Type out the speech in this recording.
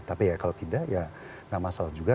tapi ya kalau tidak ya nggak masalah juga